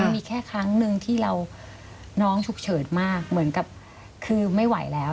มีแค่ครั้งหนึ่งที่เราน้องฉุกเฉินมากเหมือนกับคือไม่ไหวแล้ว